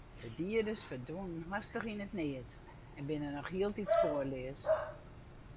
De dieders ferdwûnen hastich yn it neat en binne noch hieltyd spoarleas.